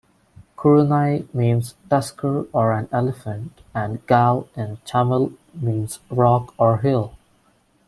"Kurunai" means tusker or an Elephant and "gal" in Tamil means rock or hill.